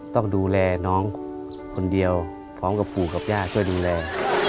ต้องดูแลน้องคนเดียวพร้อมกับปู่กับย่าช่วยดูแล